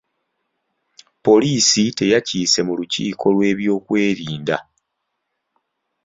Poliisi teyakiise mu lukiiko lw'ebyokwerinda.